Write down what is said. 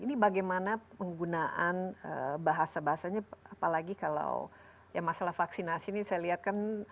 ini bagaimana penggunaan bahasa bahasanya apalagi kalau ya masalah vaksinasi ini saya lihat kan